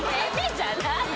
じゃない